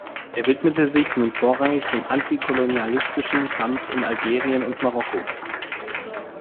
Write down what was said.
Er widmete sich nun vorrangig dem antikolonialistischen Kampf in Algerien und Marokko.